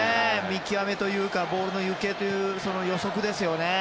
見極めというかボールの行方という予測ですね。